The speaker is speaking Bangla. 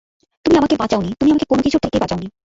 তুমি আমাকে বাঁচাওনি, তুমি আমাকে কোন-কিছুর থেকে বাঁচাওনি।